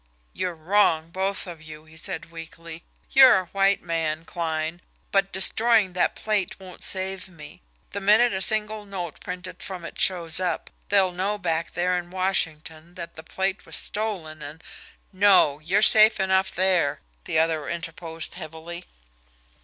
"You're wrong, both of you," he said weakly. "You're a white man, Kline. But destroying that plate won't save me. The minute a single note printed from it shows up, they'll know back there in Washington that the plate was stolen, and " "No; you're safe enough there," the other interposed heavily.